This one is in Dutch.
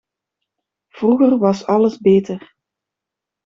Vroeger was alles beter.